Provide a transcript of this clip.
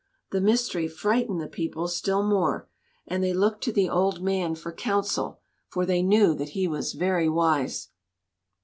The mystery frightened the people still more, and they looked to the old man for counsel, for they knew that he was very wise.